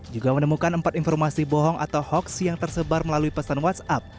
juga menemukan empat informasi bohong atau hoax yang tersebar melalui pesan whatsapp